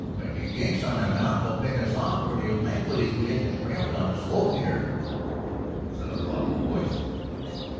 "But the ginks on the mountain will pick us off pretty lively as we hit the trail down the slope here," said a thoughtful voice.